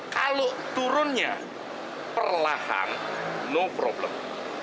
kalau turunnya perlahan no problem